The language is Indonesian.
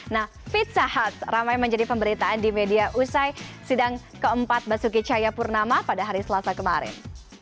nah pizza huts ramai menjadi pemberitaan di media usai sidang keempat basuki cahayapurnama pada hari selasa kemarin